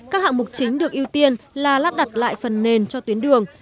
các hạng mục chính được ưu tiên là lắp đặt lại phần nền cho tuyến đường